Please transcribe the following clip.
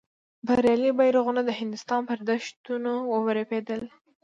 بریالي بیرغونه د هندوستان پر دښتونو ورپېدل.